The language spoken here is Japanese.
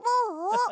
あっ！